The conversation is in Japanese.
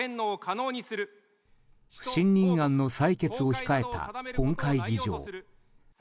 不信任案の採決を控えた本会議場。